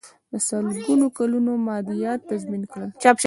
د سلګونو کلونو مادیات تضمین کړل.